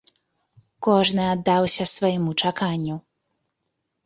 Кожны аддаўся свайму чаканню.